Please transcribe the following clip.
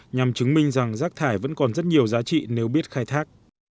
nhằm chứng minh rằng rác thải vẫn còn rất nhiều giá trị nếu biết khai thác